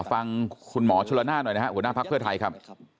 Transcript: ฟังคุณหมอชลนานหน่อยนะครับหัวหน้าภักดิ์เพื่อไทยครับ